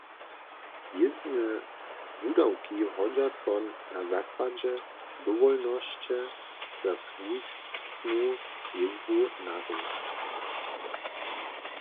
Jězbne wudawki hodźa so na zakładźe dowolnosće za słužbnu jězbu narunać.